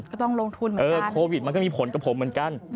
ก็ต้องลงทุนเหมือนกัน